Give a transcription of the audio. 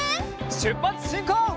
しゅっぱつしんこう！